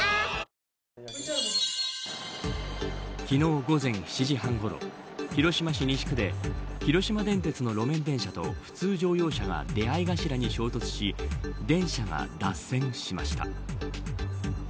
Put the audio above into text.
昨日午前７時半ごろ広島市西区で広島電鉄の路面電車と普通乗用車が出合いがしらに衝突し電車が脱線しました。